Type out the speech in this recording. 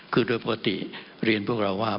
คือโดยปกติเรียนพวกเราว่า